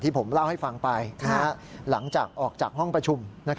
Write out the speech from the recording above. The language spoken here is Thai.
ผมเล่าให้ฟังไปหลังจากออกจากห้องประชุม